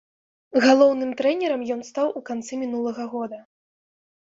Галоўным трэнерам ён стаў у канцы мінулага года.